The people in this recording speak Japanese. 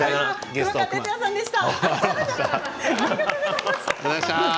熊川哲也さんでした。